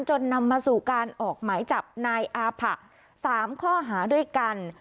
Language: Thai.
นำมาสู่การออกหมายจับนายอาผะ๓ข้อหาด้วยกัน